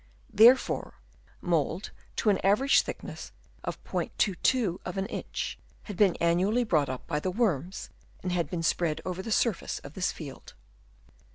Therefore mould to an average thickness of *22 of an inch had been annually brought up by the worms, and had been spread over the. surface of this field.